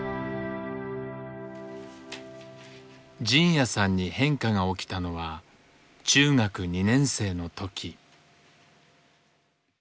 仁也さんに変化が起きたのは中学２年生の時。